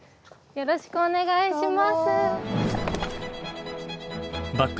よろしくお願いします。